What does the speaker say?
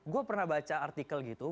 gue pernah baca artikel gitu